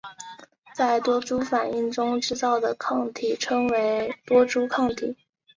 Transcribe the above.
在多株反应中制造的抗体称为多株抗体。